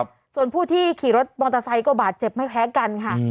ส่วนผู้ที่ขี่รถมอเตอร์ไซค์ก็บาดเจ็บไม่แพ้กันค่ะ